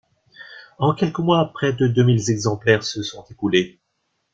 En quelques mois, près de deux mille exemplaires se sont écoulés.